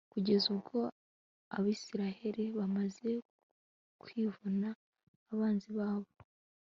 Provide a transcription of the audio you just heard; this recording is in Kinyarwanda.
kugeza ubwo abayisraheli bamaze kwivuna abanzi babo